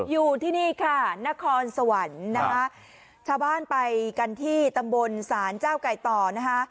อยู่ที่นี่ค่ะนครสวรรค์นะคะชาวบ้านไปกันที่ตำบลศาลเจ้าไก่ต่อนะคะ